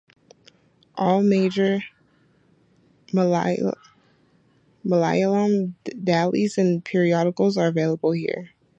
All major Malayalam dailies and periodicals are available here.